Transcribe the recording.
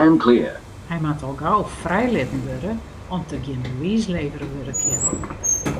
Hy moat al gau frijlitten wurde om't der gjin bewiis levere wurde kin.